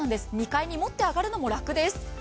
２階に持って上がるのも楽です。